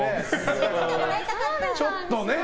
信じてもらいたかった。